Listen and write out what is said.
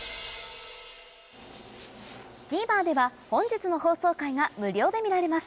ＴＶｅｒでは本日の放送回が無料で見られます